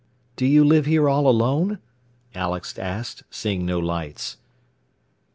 "Do you live here all alone?" Alex asked, seeing no lights.